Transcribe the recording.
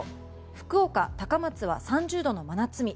福岡、高松は３０度の真夏日。